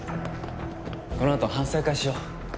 このあと反省会しよう。